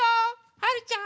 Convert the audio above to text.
はるちゃん。